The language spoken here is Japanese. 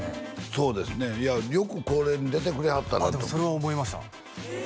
そうですねいやよくこれに出てくれはったなってあっでもそれは思いましたええ